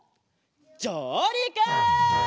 じょうりく！